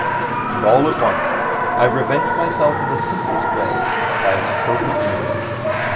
And all at once I revenged myself in the simplest way, by a stroke of genius!